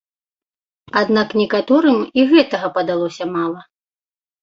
Аднак некаторым і гэтага падалося мала.